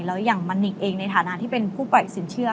แล้วอย่างมันนิกเองในฐานะที่เป็นผู้ปล่อยสินเชื่อ